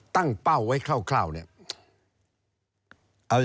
เป้าไว้คร่าวเนี่ย